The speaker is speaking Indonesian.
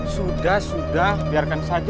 sudah sudah biarkan saja